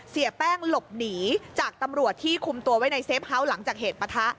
เสียแป้งหลบหนีจากตำรวจที่คุมตัวไว้ในเฟฟ้าหลังจากเหตุปะทะ